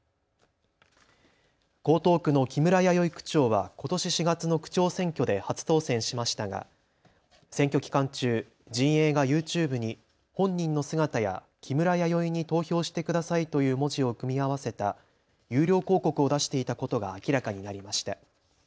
江東区の木村弥生区長はことし４月の区長選挙で初当選しましたが選挙期間中、陣営がＹｏｕＴｕｂｅに本人の姿や木村やよいに投票してくださいという文字を組み合わせた有料広告を出していたことが明らかになりました。